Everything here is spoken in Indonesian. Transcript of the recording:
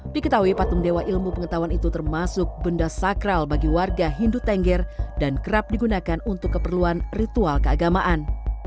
diketahui patung dewa ilmu pengetahuan itu termasuk benda sakral bagi warga hindu tengger dan kerap digunakan untuk keperluan ritual keagamaan